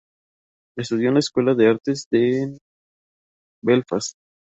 Estudió en la Escuela de Artes en Belfast.